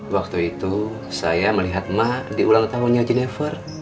waktu itu saya melihat mak di ulang tahunnya jennifer